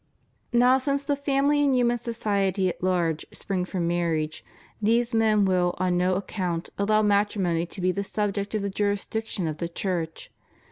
Now since the family and human society at large spring from marriage, these men will on no account allow matri mony to be the subject of the jurisdiction of the Church.